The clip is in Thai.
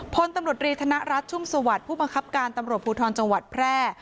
พลตำรวจรีธนรัฐชุ่มสวัสดิ์ผู้บังคับการตำรวจภูทรจังหวัดแพร่